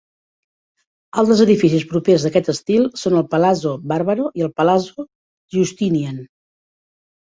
Altres edificis propers d'aquest estil són el Palazzo Barbaro i el Palazzo Giustinian.